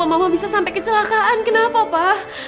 kenapa mama bisa sampai kecelakaan kenapa pa